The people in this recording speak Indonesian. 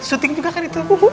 syuting juga kan itu